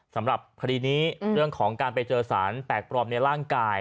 สำหรับคดีนี้เรื่องของการไปเจอสารแปลกปลอมในร่างกาย